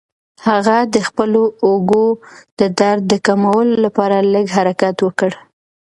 هغه د خپلو اوږو د درد د کمولو لپاره لږ حرکت وکړ.